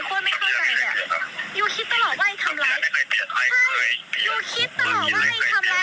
แผนบ้าอะไรอยู่จังห้าหรอทีเมตต้องทำลายชีวิตตัวเองด้วยไม่เข้าใจ